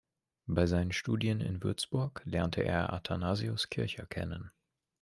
Bei seinen Studien in Würzburg lernte er Athanasius Kircher kennen.